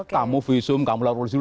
kamu visum kamu laporan polisi dulu